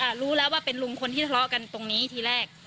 รู้แล้วว่าเป็นลุงคนที่ทะเลาะกันตรงนี้ทีแรก